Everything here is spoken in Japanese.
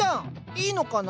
いいのかな？